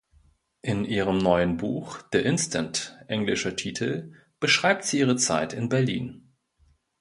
In ihrem neuen Buch "The Instant" (englischer Titel) beschreibt sie ihre Zeit in Berlin.